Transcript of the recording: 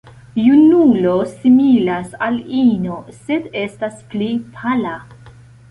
Junulo similas al ino, sed estas pli pala.